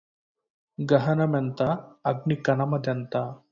గహనమెంత అగ్ని కణమదెంత